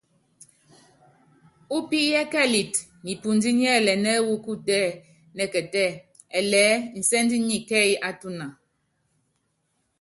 Upíyɛ́kɛlɛt nipundí niɛ́lɛnɛ́ wɔ́ kutɛ nɛkɛtɛ́ ɛlɛɛ́ insɛ́nd nyɛ kɛ́ɛ́y á tuna.